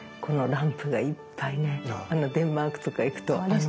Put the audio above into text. このランプがいっぱいねデンマークとか行くと。